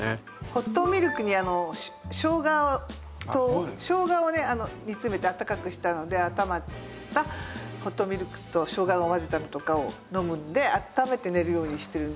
ホットミルクにしょうが糖しょうがをね煮詰めてあったかくしたのであったまったホットミルクとしょうがを混ぜたのとかを飲むのであっためて寝るようにしてるんですけど。